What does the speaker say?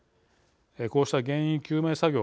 こうした原因究明作業